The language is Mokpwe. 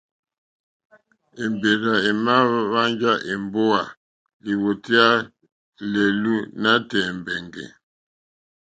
Èmbèrzà èmà hwánjá èmbówà lìwòtéyá lɛ̀ɛ̀lú nǎtɛ̀ɛ̀ mbɛ̀ngɛ̀.